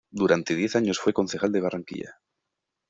Durante diez años fue concejal de Barranquilla.